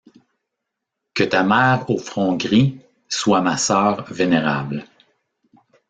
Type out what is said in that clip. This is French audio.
Que ta mère au front gris soit ma sœur vénérable!